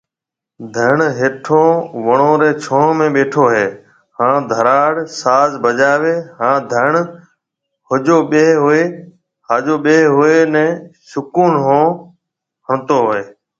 ڌڻ هيٺو وڻون رِي ڇون ۾ ٻيٺو هي هان ڌراڙ ساز بجاوي هي هان ڌڻ ۿجو ٻيۿي اوئي ني سُڪون ۿوڻ ۿڻتو هوئي